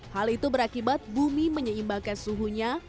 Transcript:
hal itu berakibat bumi menyeimbangkan suhunya